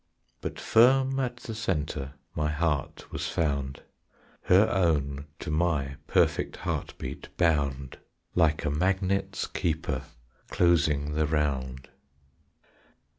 But firm at the centre My heart was found; Her own to my perfect Heart beat bound, Like a magnet's keeper Closing the round.